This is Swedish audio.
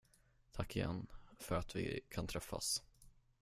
Tack igen för att vi kan träffas.